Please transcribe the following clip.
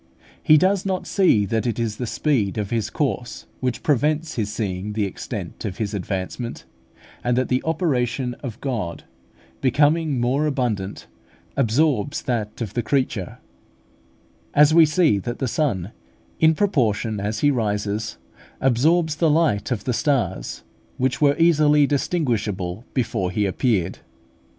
He does not see that it is the speed of his course which prevents his seeing the extent of his advancement; and that the operation of God becoming more abundant, absorbs that of the creature, as we see that the sun, in proportion as he rises, absorbs the light of the stars, which were easily distinguishable before he appeared.